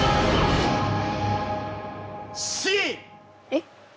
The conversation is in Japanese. えっ。